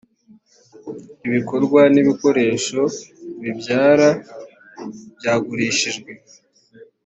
ibikorwa n ibikoresho bibyara byagurishijwe.